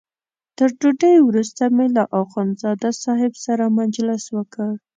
تر ډوډۍ وروسته مې له اخندزاده صاحب سره مجلس وکړ.